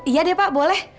iya deh pak boleh